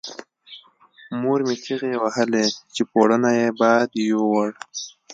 مور مې چیغې وهلې چې پوړونی یې باد یووړ.